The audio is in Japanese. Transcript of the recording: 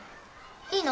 いいの？